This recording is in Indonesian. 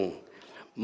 mari kita berjalan